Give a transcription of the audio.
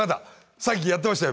さっきやってましたよ